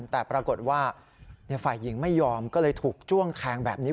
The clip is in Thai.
แต่ปรากฏว่าฝ่ายหญิงไม่ยอมก็เลยถูกจ้วงแทงแบบนี้